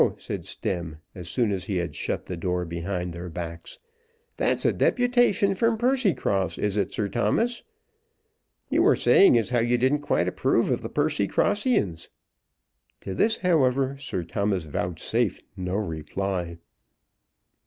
said Stemm, as soon as he had shut the door behind their backs. "That's a deputation from Percycross, is it, Sir Thomas? You were saying as how you didn't quite approve of the Percycrossians." To this, however, Sir Thomas vouchsafed no reply.